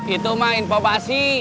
itu mah informasi